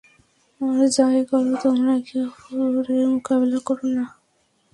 আর যাই কর, তোমরা একে অপরের মোকাবিলা করো না।